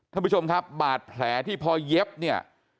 ท่านผู้ชมครับบาดแผลที่พอเย็บเนี่ย